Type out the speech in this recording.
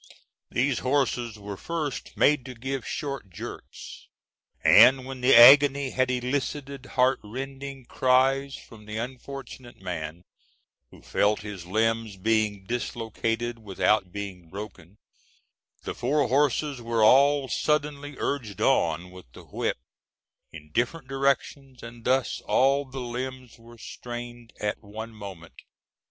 These horses were first made to give short jerks; and when the agony had elicited heart rending cries from the unfortunate man, who felt his limbs being dislocated without being broken, the four horses were all suddenly urged on with the whip in different directions, and thus all the limbs were strained at one moment.